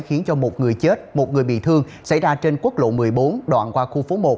khiến cho một người chết một người bị thương xảy ra trên quốc lộ một mươi bốn đoạn qua khu phố một